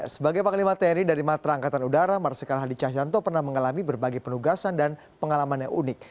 sebagai panglima tni dari matra angkatan udara marsikal hadi cahyanto pernah mengalami berbagai penugasan dan pengalaman yang unik